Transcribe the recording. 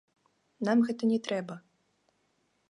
Нам гэта не трэба.